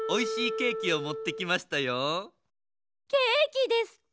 ケーキですって。